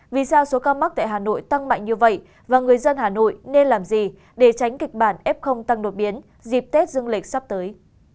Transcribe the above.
vì sao số ca mắc tại hà nội tăng mạnh như vậy và người dân hà nội nên làm gì để tránh kịch bản f tăng đột biến dịp tết dương lịch sắp tới